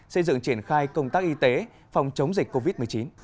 xây dựng triển khai công tác y tế phòng chống dịch covid một mươi chín